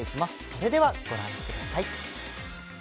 それでは御覧ください。